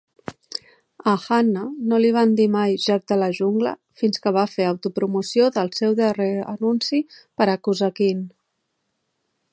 A Hanna no li van dir mai "Jack de la jungla" fins que va fer autopromoció del seu darrer anunci per a Cosequin.